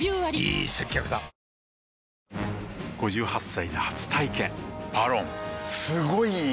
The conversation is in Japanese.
５８歳で初体験「ＶＡＲＯＮ」すごい良い！